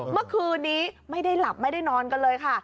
เมื่อคืนนี้ไม่ได้หลับไม่ได้นอนกันเลยค่ะ